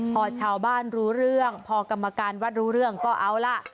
พอชาวบ้านรู้เรื่องพอกรรมการวัดรู้เรื่องก็เอาล่ะ